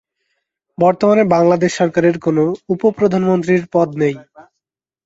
বর্তমানে বাংলাদেশ সরকারের কোনো উপ-প্রধানমন্ত্রীর পদ নেই।